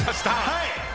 はい。